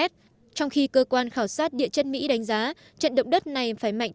trong khi cơ quan khảo sát địa chất mỹ đánh giá trận động đất này phải mạnh